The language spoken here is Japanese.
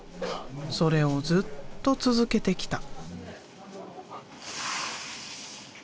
それをずっと続けてきた。